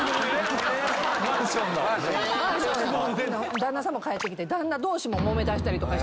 旦那さんも帰ってきて旦那同士ももめだしたりして。